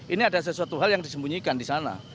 ini ada sesuatu hal yang disembunyikan di sana